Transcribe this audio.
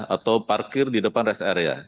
atau parkir di depan rest area